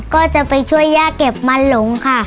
ก็จะไปช่วยย่าเก็บมันหลงค่ะ